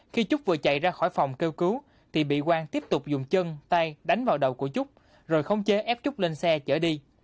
khi trúc vừa chạy ra khỏi phòng kêu cứu thì bị quang tiếp tục dùng chân tay đánh vào đầu của trúc rồi khống chế ép trúc lên xe chở đi